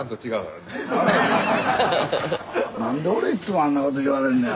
何で俺いっつもあんなこと言われんねやろ。